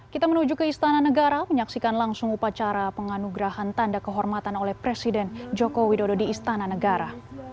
kita menuju ke istana negara menyaksikan langsung upacara penganugerahan tanda kehormatan oleh presiden joko widodo di istana negara